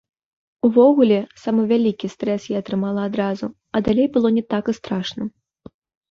Увогуле, самы вялікі стрэс я атрымала адразу, а далей было не так і страшна.